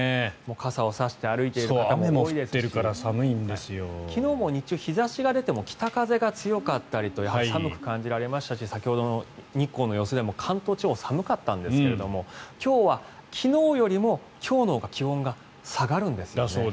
傘をさして歩いている方も多いですし昨日も日中、日差しが出ても北風が強かったりと寒く感じられましたし先ほどの日光の様子でも関東地方、寒かったんですが今日は昨日よりも今日のほうが気温が下がるんですよね。